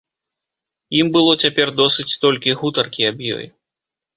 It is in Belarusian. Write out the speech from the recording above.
Ім было цяпер досыць толькі гутаркі аб ёй.